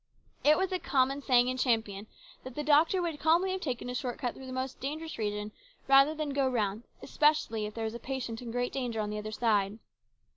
It was a common saying in Champion that the doctor would calmly have taken a short cut through the most dangerous region rather than go round, especially if there was a patient in great danger on the other side.